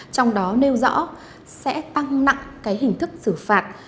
trong đó nêu rõ sẽ tăng nặng hình thức xử phạt